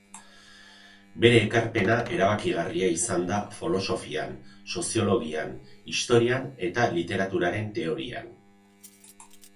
Bere ekarpena erabakigarria izan da folosofian, soziologian, historian eta literaturaren teorian.